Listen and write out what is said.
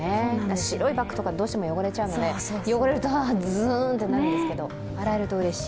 白いバッグはどうしても汚れちゃうので、汚れるとズーンとなっちゃうんですけど、洗えるとうれしい。